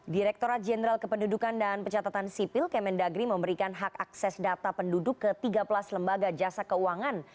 direkturat jenderal kependudukan dan pencatatan sipil kemendagri memberikan hak akses data penduduk ke tiga belas lembaga jasa keuangan